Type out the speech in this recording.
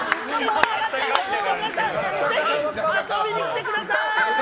ぜひ遊びに来てください！